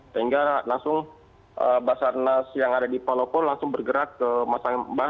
sehingga langsung basarnas yang ada di palopo langsung bergerak ke masang barat